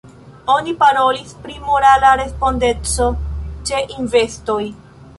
Oni parolis pri morala respondeco ĉe investoj.